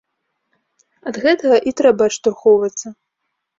Ад гэтага і трэба адштурхоўвацца.